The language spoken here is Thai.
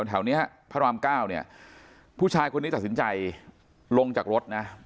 แถวนี้พระรามเก้าเนี่ยผู้ชายคนนี้ตัดสินใจลงจากรถนะ